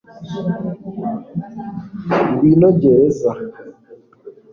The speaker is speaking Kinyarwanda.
Ngwino gerageza